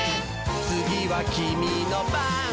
「つぎはキミのばん」